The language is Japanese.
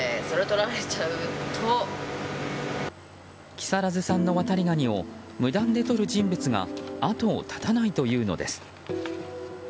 木更津産のワタリガニを無断でとる人物が後を絶たないというのです。